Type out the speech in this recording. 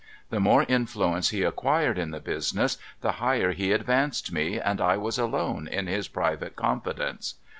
The more influence he acquired in the business, the higher he advanced mc, and I was alone in his private confidence.